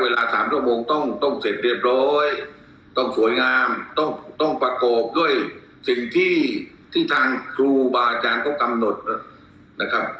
สามชั่วโมงต้องเสร็จเรียบร้อยต้องสวยงามต้องประกอบด้วยสิ่งที่ทางครูบาอาจารย์เขากำหนดนะครับ